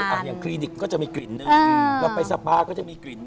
อย่างคลีนิกก็จะมีกลิ่นหนึ่งแล้วไปสปาก็จะมีกลิ่นหนึ่ง